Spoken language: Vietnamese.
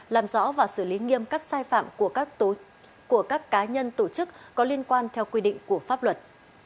làm rõ và xử lý nghiêm các sai phạm của các cá nhân tổ chức có liên quan theo quy định của pháp luật